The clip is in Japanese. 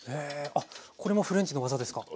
あっこれもフレンチの技ですか？